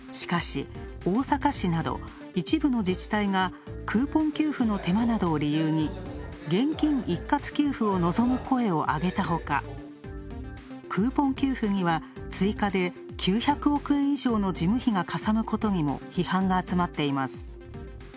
しかし、大阪市など一部の自治体がクーポン給付の手間などを理由に現金一括給付を望む声をあげたほか、クーポン給付には追加で９００億円以上の事務費がかさむことにも批判が集まっています。